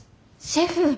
シェフ。